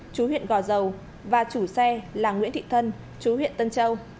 chú huyện gò dầu và chủ xe là nguyễn thị thân chú huyện tân châu